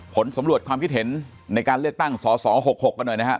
ผลสำรวจความคิดเห็นในการเลือกตั้งสส๖๖กันหน่อยนะฮะ